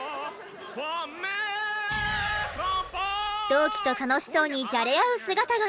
同期と楽しそうにじゃれ合う姿が！